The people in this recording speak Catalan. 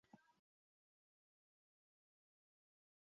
Tenir bona esquena.